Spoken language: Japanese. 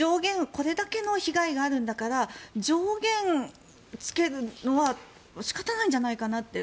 これだけの被害があるんだから上限つけるのは仕方ないんじゃないかなって